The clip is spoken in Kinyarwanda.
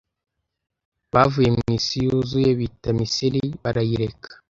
Bavuye mwisi yuzuye: Bita Misiri, barayireka